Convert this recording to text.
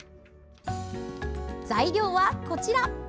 材料はこちら。